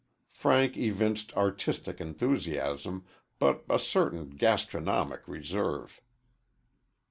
Frank evinced artistic enthusiasm, but a certain gastronomic reserve.